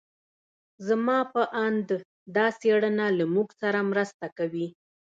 زما په اند دا څېړنه له موږ سره مرسته کوي.